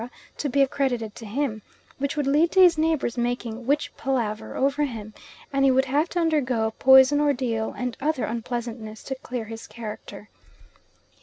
to be accredited to him, which would lead to his neighbours making "witch palaver" over him, and he would have to undergo poison ordeal and other unpleasantness to clear his character.